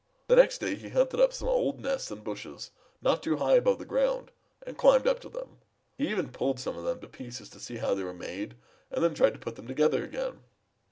The next day he hunted up some old nests in bushes not too high above the ground and climbed up to them. He even pulled some of them to pieces to see how they were made and then tried to put them together again.